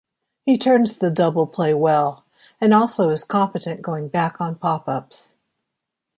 He turns the double play well, and also is competent going back on pop-ups.